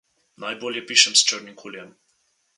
Najbolje pišem s črnim kulijem.